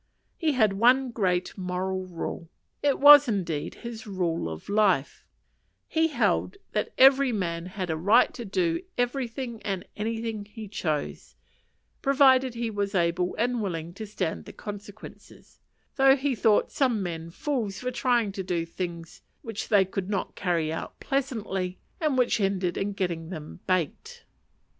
He had one great moral rule, it was, indeed, his rule of life: he held that every man had a right to do everything and anything he chose, provided he was able and willing to stand the consequences; though he thought some men fools for trying to do things which they could not carry out pleasantly, and which ended in getting them baked.